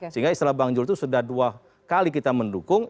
sehingga istilah bang jul itu sudah dua kali kita mendukung